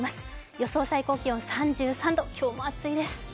予想最高気温３３度、今日も暑いです。